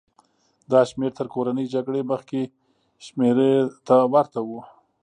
دا شمېر تر کورنۍ جګړې مخکې شمېرې ته ورته و.